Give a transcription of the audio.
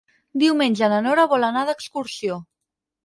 Diumenge na Nora vol anar d'excursió.